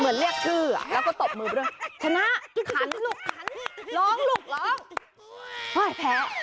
เหมือนเรียกชื่อแล้วก็ตบมือด้วย